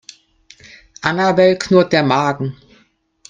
Annabel knurrt der Magen.